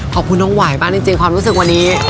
ขอบคุณน้องหวายมากจริงความรู้สึกวันนี้